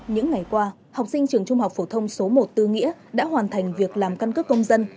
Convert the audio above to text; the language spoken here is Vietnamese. những ngày qua học sinh trường trung học phổ thông số một tư nghĩa đã hoàn thành việc làm căn cước công dân